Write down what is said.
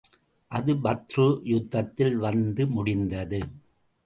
அது பத்ரு யுத்தத்தில் வந்து முடிந்தது.